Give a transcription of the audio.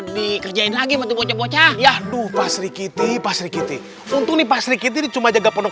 dikerjain lagi baca baca ya duh pasri kiti pasri kiti untuk pasri kiti cuma jaga penuh